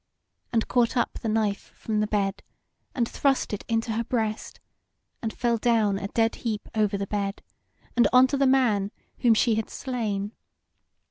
and caught up the knife from the bed and thrust it into her breast, and fell down a dead heap over the bed and on to the man whom she had slain.